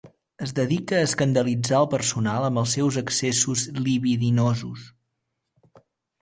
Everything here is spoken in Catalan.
Es dedica a escandalitzar el personal amb els seus accessos libidinosos.